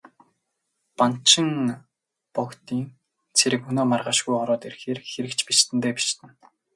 Банчин богдын цэрэг өнөө маргаашгүй ороод ирэхээр хэрэг ч бишиднэ дээ, бишиднэ.